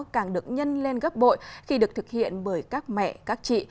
càng được nhân lên gấp bội khi được thực hiện bởi các mẹ các chị